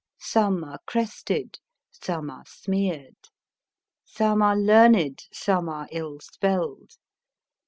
Some are crested, some are smeared. Some are learned, some are ill spelled.